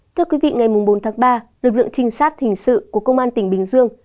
thưa quý vị ngày bốn tháng ba lực lượng trinh sát hình sự của công an tỉnh bình dương